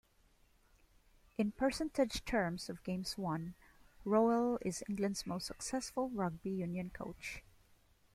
In percentage terms of games won Rowell is England's most successful rugby union coach.